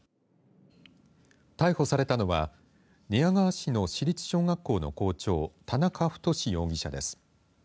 逮捕されたのは寝屋川市の市立小学校の校長田中太容疑者です。